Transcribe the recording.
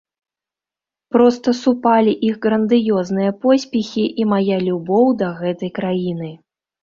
Проста супалі іх грандыёзныя поспехі і мая любоў да гэтай краіны.